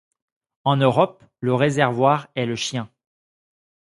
En Europe, le réservoir est le chien.